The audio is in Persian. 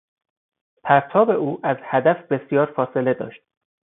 پرتاب او از هدف بسیار فاصله داشت.